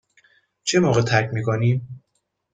چه موقع ترک می کنیم؟